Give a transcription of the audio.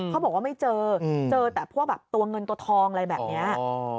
เขาบอกว่าไม่เจอเจอแต่พวกแบบตัวเงินตัวทองอะไรแบบนี้